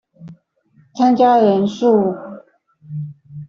參加人數